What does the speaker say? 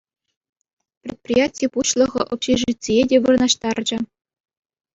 Предприяти пуҫлӑхӗ общежитие те вырнаҫтарчӗ.